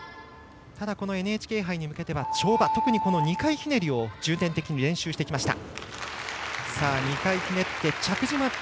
ただ、ＮＨＫ杯に向けては跳馬、特に２回ひねりを重点的に練習してきました。